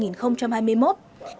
trong phiên làn